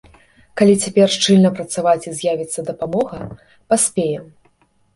Калі цяпер шчыльна працаваць і з'явіцца дапамога, паспеем.